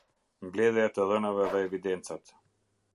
Mbledhja e të dhënave dhe evidencat.